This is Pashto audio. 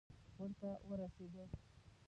وره ته ورسېده.